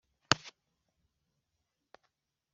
Nigometse ku butegetsi